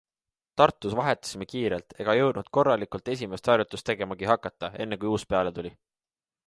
Tartus vahetasime kiirelt ega jõudnud korralikult esimest harjutust tegemagi hakata, enne kui uus peale tuli.